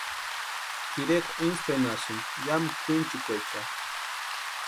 Tʼirekwa intspenhasïnti yamu kwʼinchikwecharhu.